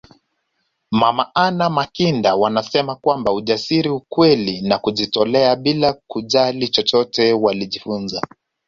Mama Anna Makinda wanasema kwamba ujasiri ukweli na kujitolea bila kujali chochote walijifunza